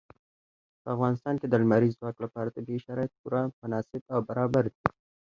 په افغانستان کې د لمریز ځواک لپاره طبیعي شرایط پوره مناسب او برابر دي.